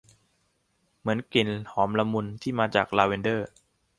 เหมือนกลิ่นหอมละมุน ที่มาจากลาเวนเดอร์